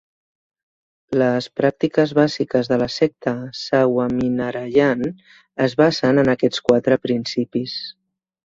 Les pràctiques bàsiques de la secta Swaminarayan es basen en aquests quatre principis.